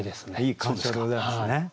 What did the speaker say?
いい鑑賞でございますね。